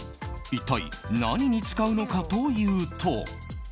一体何に使うのかというと。